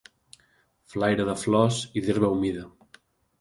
Flaira de flors i d'herba humida